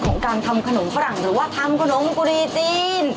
ของการทำขนมฝรั่งหรือว่าทำขนมกุหรี่จีน